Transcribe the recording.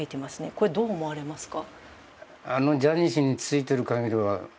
これ、どう思われますか？